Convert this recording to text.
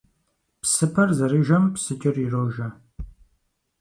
Псыпэр зэрыжэм псыкӀэр ирожэ.